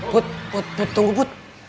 put put put tunggu put